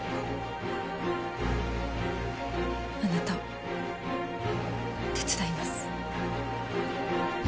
あなたを手伝います。